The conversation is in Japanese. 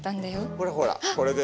ほらほらこれで。